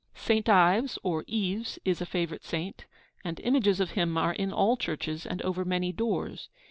Saint Ives or Yves is a favourite saint, and images of him are in all churches and over many doors.